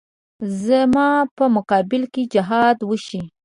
زما په مقابل کې جهاد وشي.